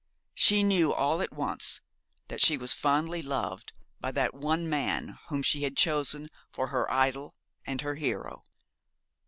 She knew all at once, that she was fondly loved by that one man whom she had chosen for her idol and her hero.